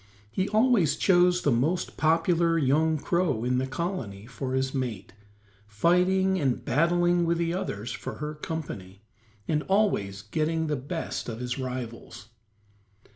He always chose the most popular young crow in the colony for his mate, fighting and battling with the others for her company, and always getting the best of his rivals.